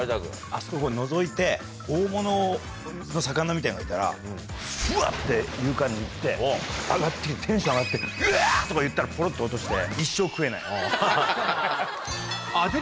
あそここうのぞいて大物の魚みたいのがいたらぶわ！って勇敢に行って上がってテンション上がってうわ！とか言ったらポロっと落として。